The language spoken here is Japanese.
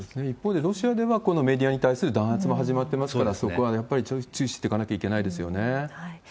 一方で、ロシアではこのメディアに対する弾圧も始まってますから、そこはやっぱり注視していかなきゃいけないですよね。